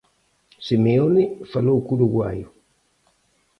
Simeone falou co uruguaio.